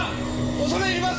恐れ入ります。